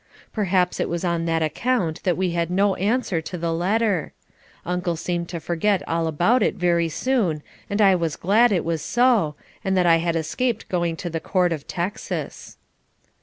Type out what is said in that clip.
Perhaps it was on that account that we had no answer to the letter. Uncle seemed to forget all about it very soon and I was glad that it was so, and that I had escaped going to the court of Texas.